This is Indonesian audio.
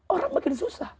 orang makin susah